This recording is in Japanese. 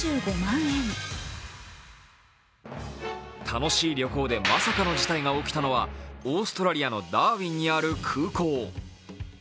楽しい旅行でまさかの事態が起きたのはオーストラリアのダーウィンにある空港。